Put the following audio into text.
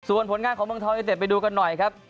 ส่วนผลงานของเมืองทองยูเต็ดไปดูกันหน่อยครับ